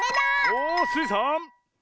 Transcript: おスイさん。